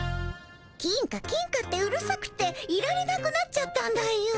「金貨金貨」ってうるさくていられなくなっちゃったんだよ。